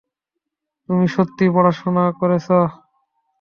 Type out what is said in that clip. তুমি সত্যিই পড়াশোনা করেছ।